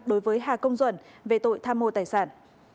đối với hà công duẩn về tội tham mô tài sản